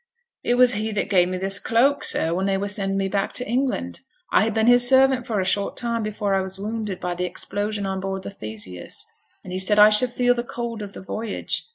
'It was he that gave me this cloak, sir, when they were sending me back to England. I had been his servant for a short time before I was wounded by the explosion on board the Theseus, and he said I should feel the cold of the voyage.